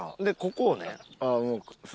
でここをね。